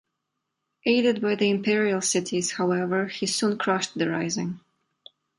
Aided by the Imperial cities, however, he soon crushed the rising.